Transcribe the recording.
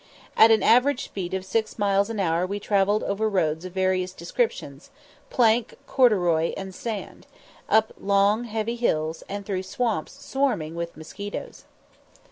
At an average speed of six miles an hour we travelled over roads of various descriptions, plank, corduroy, and sand; up long heavy hills, and through swamps swarming with mosquitoes.